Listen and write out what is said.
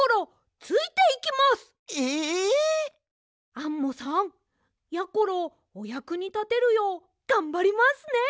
アンモさんやころおやくにたてるようがんばりますね！